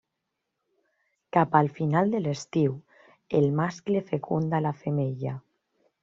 Cap al final de l'estiu el mascle fecunda la femella.